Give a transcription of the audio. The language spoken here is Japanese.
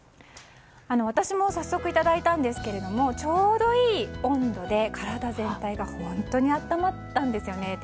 私も早速いただいたんですがちょうどいい温度で体全体が本当に温まったんですね。